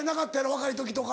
若い時とか。